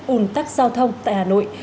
ùn tắc giao thông tại hà nội